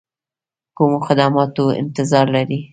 کومو خدماتو انتظار لري.